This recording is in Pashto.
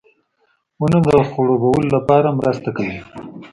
• ونه د خړوبولو لپاره مرسته کوي.